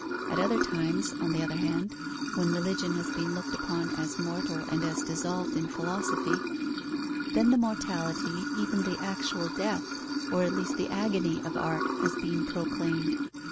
At other times, on the other hand, when religion has been looked upon as mortal and as dissolved in philosophy, then the mortality, even the actual death, or at least the agony of art has been proclaimed.